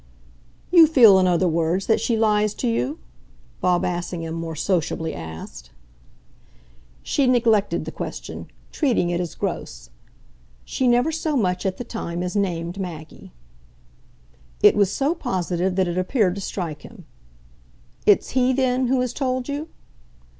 "You feel, in other words, that she lies to you?" Bob Assingham more sociably asked. She neglected the question, treating it as gross. "She never so much, at the time, as named Maggie." It was so positive that it appeared to strike him. "It's he then who has told you?"